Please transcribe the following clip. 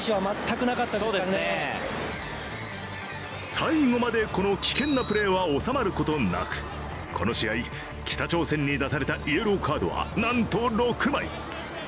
最後までこの危険なプレーは収まることなくこの試合、北朝鮮に出されたイエローカードはなんと６枚。